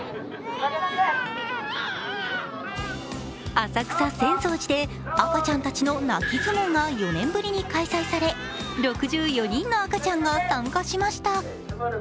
浅草浅草寺で赤ちゃんたちの泣き相撲が４年ぶりに開催され６４人の赤ちゃんが参加しました。